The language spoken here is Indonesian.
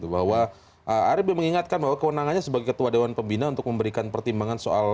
bahwa arief mengingatkan bahwa kewenangannya sebagai ketua dewan pembina untuk memberikan pertimbangan soal